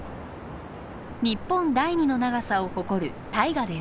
日本第２の長さを誇る大河です。